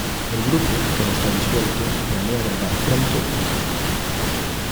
El grupo, que no está disuelto, planea grabar pronto un nuevo álbum.